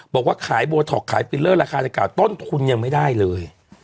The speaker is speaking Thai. บอกว่าขายโบท็อกขายฟิลเลอร์ราคาดังกล่าต้นทุนยังไม่ได้เลย